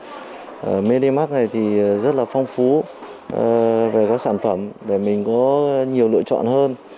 cũng như là các sản phẩm này thì rất là phong phú về các sản phẩm để mình có nhiều lựa chọn hơn